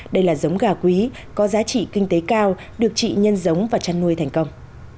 đây là giống gà quý có giá trị kinh tế cao được chị nhân giống và chăn nuôi thành công